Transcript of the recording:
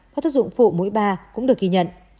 và thuật dụng phụ mũi ba cũng được ghi nhận